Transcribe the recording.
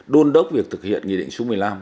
đôn đốc việc thực hiện nghị định số một mươi năm